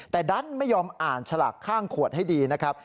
แต่ดันไม่ยอมอ่านฉลากข้างขวดให้ดีนะครับ